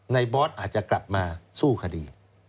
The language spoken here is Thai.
บอสอาจจะกลับมาสู้คดี